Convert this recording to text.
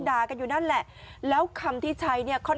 ด่ากันอยู่นั่นแหละแล้วคำที่ใช้เนี่ยค่อน